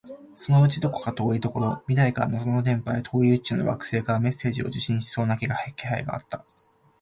そのうちどこか遠いところ、未来から謎の電波や、遠い宇宙の惑星からメッセージを受信しそうな気配があった